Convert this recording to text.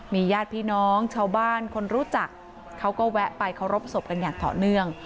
มีญาติพี่น้องชาวบ้านคนรู้จักเขาก็แวะไปเคารพศพกันอย่างต่อเนื่อง